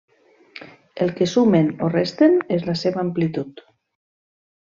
El que sumen o resten és la seva amplitud.